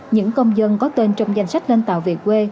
những công dân có tên trong danh sách lên tàu việc